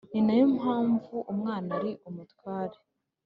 ni na yo mpamvu umwana ari umutware